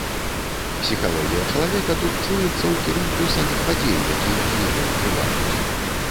Псіхалогія чалавека тут чуецца ў кірунку саміх падзей, якія на яе ўплываюць.